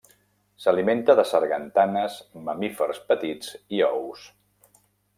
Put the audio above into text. S'alimenta de sargantanes, mamífers petits i ous.